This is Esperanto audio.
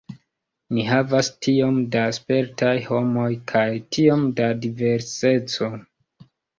Ni havas tiom da spertaj homoj kaj tiom da diverseco.